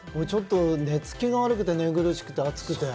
寝付きが悪くて、寝苦しくて暑くて。